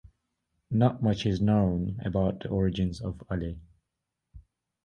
Not much is known about the origins of Ali.